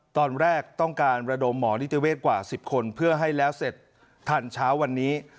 ตอนแรกต้องการระดมหมอนิติเวศกว่า๑๐คนเพื่อให้แล้วเสร็จทันเช้าวันนี้